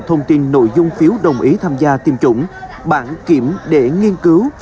thông tin nội dung phiếu đồng ý tham gia tiêm chủng bản kiểm để nghiên cứu